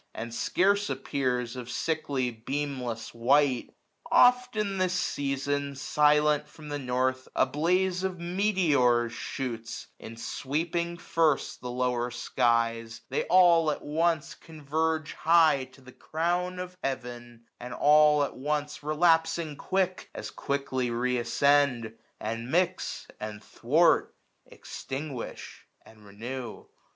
And scarce appears, of sickly beamless white; 11 05 Oft in this season, silent from the north A blaze of meteors shoots : ensweeping first The lower skies, they all at once converge High to the crown of heavert, and all at once Relapsing quick, as quickly reascend, 1 1 10 And mix, and thwart, extinguish, and renew.